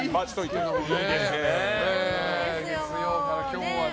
月曜日から今日は。